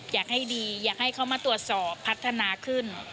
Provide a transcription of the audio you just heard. อยากให้ดีอยากให้เขามาตรวจสอบพัฒนาขึ้น